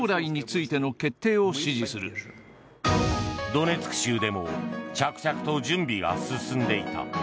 ドネツク州でも着々と準備が進んでいた。